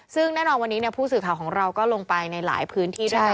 ซึ่งแน่นอนวันนี้ผู้สื่อข่าวของเราก็ลงไปในหลายพื้นที่ด้วยกัน